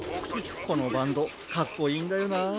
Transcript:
このバンドかっこいいんだよな。